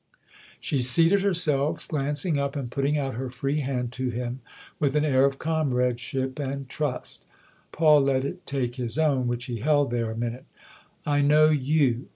She seated herself, glancing up and putting out her free hand to him with an air of comradeship and trust. Paul let it take his own, which he held there a minute. "I know you."